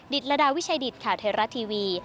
ดิตรดาวิชัยดิตข่าวเทราะห์ทีวี